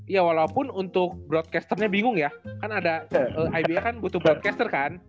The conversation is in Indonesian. ya walaupun untuk broadcasternya bingung ya kan ada iba kan butuh broadcaster kan